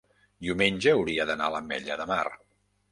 diumenge hauria d'anar a l'Ametlla de Mar.